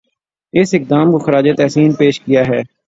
اس قدام کو خراج تحسین پیش کیا ہے